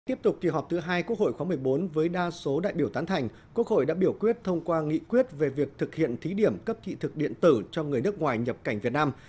tiếp tục kỳ họp thứ hai quốc hội khóa một mươi bốn với đa số đại biểu tán thành quốc hội đã biểu quyết thông qua nghị quyết về việc thực hiện thí điểm cấp thị thực điện tử cho người nước ngoài nhập cảnh việt nam